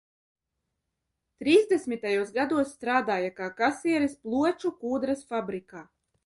Trīsdesmitajos gados strādāja kā kasieris Ploču kūdras fabrikā.